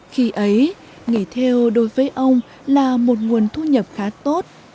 khi ấy nghề theo đối với ông là một nguồn thu nhập khá tốt